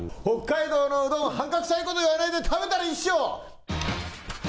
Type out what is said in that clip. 北海道のうどんはんかくさいこと言わないで食べたらいいっしょ！